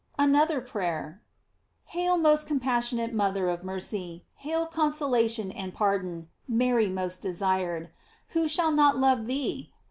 ANOTHER PRAYER. HAIL most compassionate mother of mercy ; hail consolation and pardon, Mary most desired. Who shall not love thee